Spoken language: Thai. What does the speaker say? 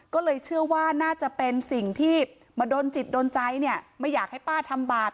ก็เลยเชื่อว่าน่าจะเป็นสิ่งที่มาโดนจิตโดนใจเนี่ยไม่อยากให้ป้าทำบาป